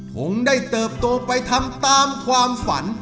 คงได้เติบโตไปทำตามความฝัน